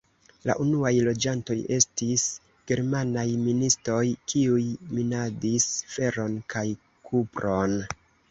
La unuaj loĝantoj estis germanaj ministoj, kiuj minadis feron kaj kupron.